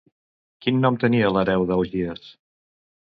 Quin nom tenia l'hereu d'Augies?